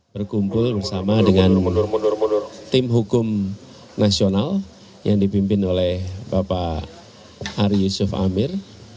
berkumpul bersama dengan tim hukum nasional yang dipimpin oleh bapak ari yusuf amir